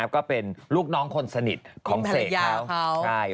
ก็เป็นลูกน้องคนสนิทของเสกเขา